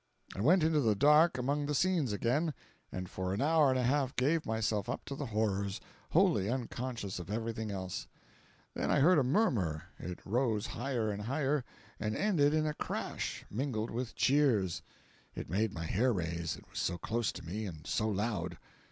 I went into the dark among the scenes again, and for an hour and a half gave myself up to the horrors, wholly unconscious of everything else. Then I heard a murmur; it rose higher and higher, and ended in a crash, mingled with cheers. It made my hair raise, it was so close to me, and so loud.